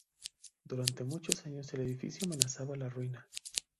Durante muchos años el edificio amenazaba la ruina.